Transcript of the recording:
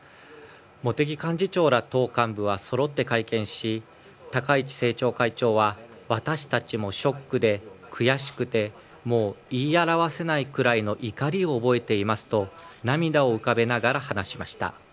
茂木幹事長ら党幹部はそろって会見し高市政調会長は私たちもショックで悔しくてもう言い表せないくらいの怒りを覚えていますと涙を浮かべながら話しました。